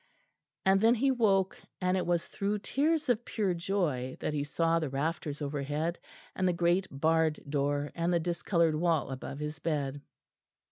And then he woke, and it was through tears of pure joy that he saw the rafters overhead, and the great barred door, and the discoloured wall above his bed.